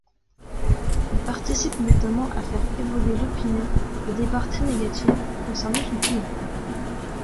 Il participe notamment à faire évoluer l'opinion, au départ très négative, concernant son client.